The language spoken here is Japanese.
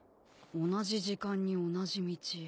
同じ時間に同じ道。